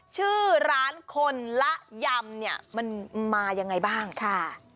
ชื่อร้านคนละยำเนี่ยมันมายังไงบ้างค่ะ